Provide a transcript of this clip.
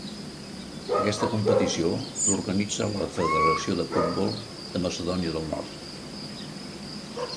Aquesta competició l'organitza la Federació de Futbol de Macedònia del Nord.